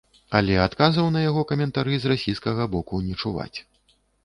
Але адказаў на яго каментары з расійскага боку не чуваць.